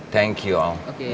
thank you pak